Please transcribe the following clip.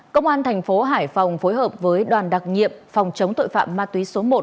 công an thành phố hải phòng phối hợp với đoàn đặc nhiệm phòng chống tội phạm ma túy số một